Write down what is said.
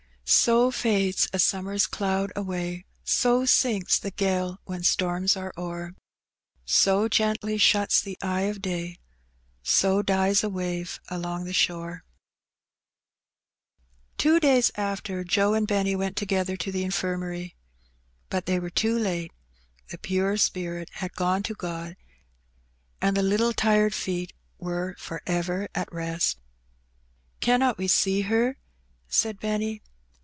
So fades a Bummer's cloud away, So sinks the £^le when storms are o'er, So gently shnts the eye of day, So dies a wave along the shore. Two days after, Joe and Benny went together to the In firmary. But they were too late: the pure spirit had gone to God, and the little tired feet were for ever at rest. '' Cannot we see her? said Benny.